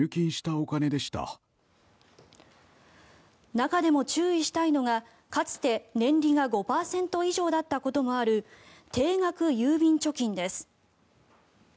中でも注意したいのがかつて、年利が５％以上だったこともある定額郵便貯金です。